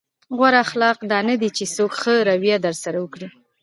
غوره اخلاق دا نه دي چې څوک ښه رويه درسره وکړي.